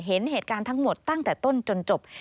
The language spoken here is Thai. เห็นเหตุการณ์ทั้งหมดตั้งแต่ต้นจนจบ